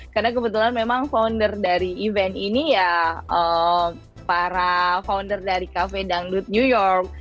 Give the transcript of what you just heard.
karena kebetulan memang founder dari event ini ya para founder dari cafe dangdut new york